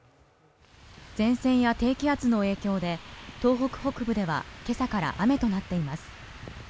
前線や低気圧の影響で東北北部ではけさから雨となっています